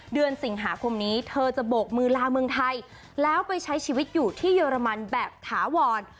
เดือนสิงหาคมนี้เธอจะโบกมือลาเมืองไทยแล้วไปใช้ชีวิตอยู่ที่เยอรมันแบบถาวร